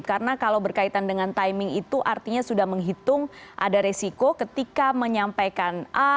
karena kalau berkaitan dengan timing itu artinya sudah menghitung ada resiko ketika menyampaikan a